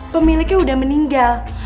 pemiliknya udah meninggal